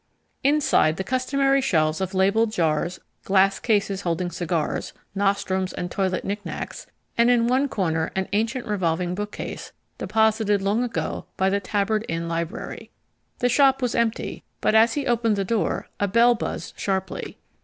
Inside, the customary shelves of labelled jars, glass cases holding cigars, nostrums and toilet knick knacks, and in one corner an ancient revolving bookcase deposited long ago by the Tabard Inn Library. The shop was empty, but as he opened the door a bell buzzed sharply.